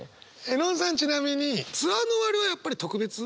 絵音さんちなみにツアーの終わりはやっぱり特別？